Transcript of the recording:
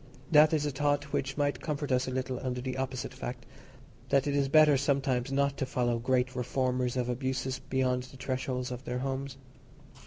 That is a thought which might comfort us a little under the opposite fact—that it is better sometimes not to follow great reformers of abuses beyond the threshold of their homes.